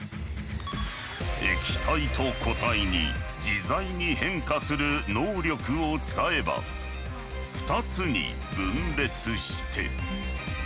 液体と固体に自在に変化する能力を使えば２つに分裂して。